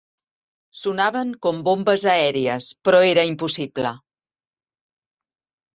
Sonaven com bombes aèries, però era impossible